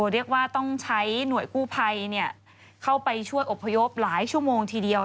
เรียกว่าต้องใช้หน่วยกู้ภัยเข้าไปช่วยอบพยพหลายชั่วโมงทีเดียว